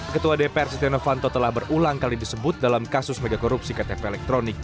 ketua dpr setia novanto telah berulang kali disebut dalam kasus megakorupsi ktp elektronik